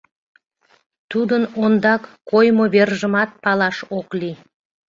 Тудын ондак коймо вержымат палаш ок лий.